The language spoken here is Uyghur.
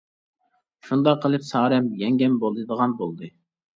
شۇنداق قىلىپ سارەم يەڭگەم بولىدىغان بولدى.